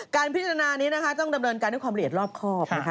การพิจารณานี้นะคะต้องดำเนินการด้วยความละเอียดรอบครอบนะคะ